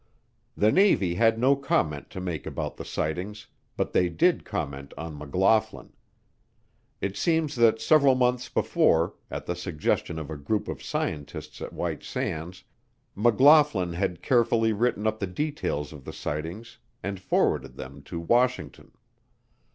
The Navy had no comment to make about the sightings, but they did comment on McLaughlin. It seems that several months before, at the suggestion of a group of scientists at White Sands, McLaughlin had carefully written up the details of the sightings and forwarded them to Washington.